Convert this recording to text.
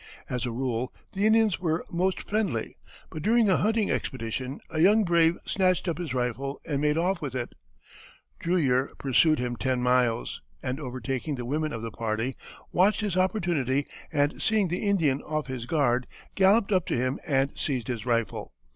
As a rule the Indians were most friendly, but during a hunting expedition a young brave snatched up his rifle and made off with it. Drewyer pursued him ten miles, and overtaking the women of the party, watched his opportunity, and seeing the Indian off his guard, galloped up to him and seized his rifle.